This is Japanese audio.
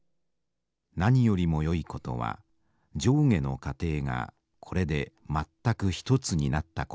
何よりもよいことは上下の家庭がこれでまったく一つになったことだ」。